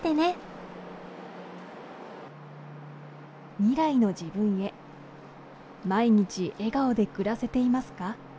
未来の自分へ、毎日笑顔で暮らせていますか？